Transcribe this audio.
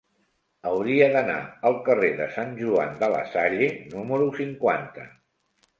Hauria d'anar al carrer de Sant Joan de la Salle número cinquanta.